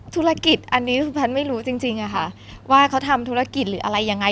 ธุรกิจอันนี้คือแพทย์ไม่รู้จริงอะค่ะว่าเขาทำธุรกิจหรืออะไรยังไง